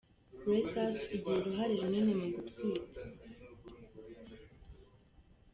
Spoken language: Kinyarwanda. Rhesus igira uruhare runini mu gutwita.